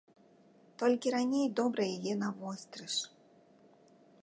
Толькі раней добра яе навострыш.